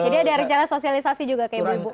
jadi ada recana sosialisasi juga kayak ibu ibu